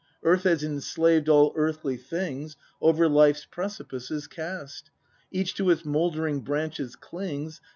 Earth has enslaved all earthly things; — Over Life's precipices cast. Each to its mouldering branches clings.